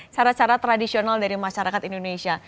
cara cara tradisional dari masyarakat indonesia